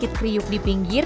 tidak terlalu teruk di pinggir